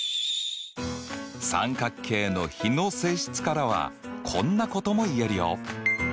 三角形の比の性質からはこんなことも言えるよ。